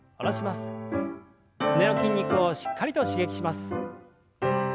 すねの筋肉をしっかりと刺激します。